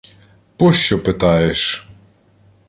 — Пощо питаєш?